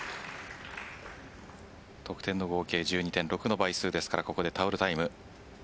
得点の合計１２点６の倍数ですからここでタオルタイム。